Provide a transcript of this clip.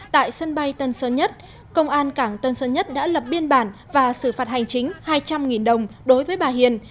tại sân bay tân sơn nhất công an cảng tân sơn nhất đã lập biên bản và xử phạt hành chính hai trăm linh đồng đối với bà hiền